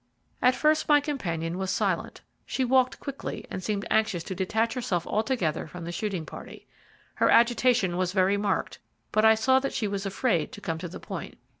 At first my companion was very silent. She walked quickly, and seemed anxious to detach herself altogether from the shooting party. Her agitation was very marked, but I saw that she was afraid to come to the point.